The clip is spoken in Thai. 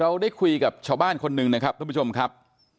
ได้คุยกับชาวบ้านคนหนึ่งนะครับทุกผู้ชมครับ